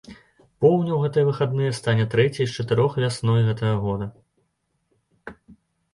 Поўня ў гэтыя выхадныя стане трэцяй з чатырох вясной гэтага года.